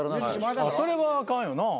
それはあかんよな。